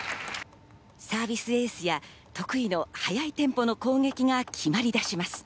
サービスエースや得意の速いテンポの攻撃が決まりだします。